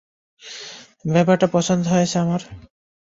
ব্যাপারটা পছন্দ হয়েছে আমার।